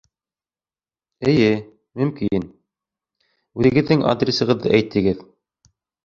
Эйе, мөмкин. Үҙегеҙҙең адресығыҙҙы әйтегеҙ.